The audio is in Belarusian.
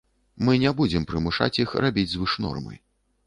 Мы не будзем прымушаць іх рабіць звыш нормы.